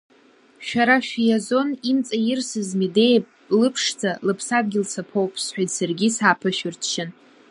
Шәара шә-Иазон имҵаирсыз Медеиа-ԥшӡа лыԥсадгьыл саԥоуп, – сҳәеит саргьы сааԥышәарччан.